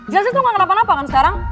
jelasin tuh nggak kenapa napa kan sekarang